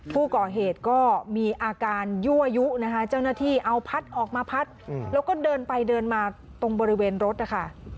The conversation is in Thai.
ผู้ก่อเหตุก็มีอาการยั่วยุนะคะเจ้าหน้าที่เอาพัดออกมาพัดแล้วก็เดินไปเดินมาตรงบริเวณรถนะคะ